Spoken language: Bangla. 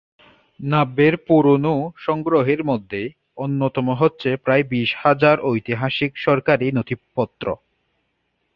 ন্যাবের পুরোনো সংগ্রহের মধ্যে অন্যতম হচ্ছে প্রায় বিশ হাজার ঐতিহাসিক সরকারি নথিপত্র।